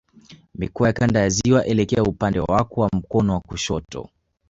Mikoa ya Kanda ya Ziwa elekea upande wako wa mkono wa kushoto